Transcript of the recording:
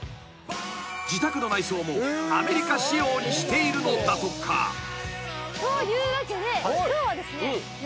［自宅の内装もアメリカ仕様にしているのだとか］というわけで今日はですね。